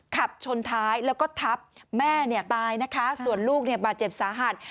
ขับชนท้ายแล้วก็ทับแม่ตายนะคะส่วนลูกมาเจ็บสาหัส